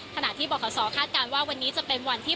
ขณะที่บขคาดการณ์ว่าวันนี้จะเป็นวันที่